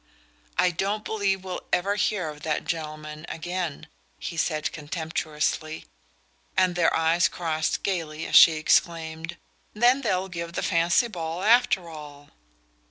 "I don't believe we'll ever hear of that gentleman again," he said contemptuously; and their eyes crossed gaily as she exclaimed: "Then they'll give the fancy ball after all?"